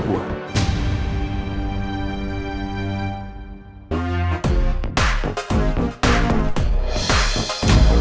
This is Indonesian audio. gue gak tahu apa apa